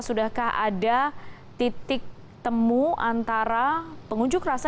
sudahkah ada titik temu antara pengunjuk rasa